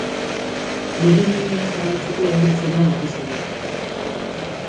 Begi-ninia zabaltzeko erabiltzen da batez ere.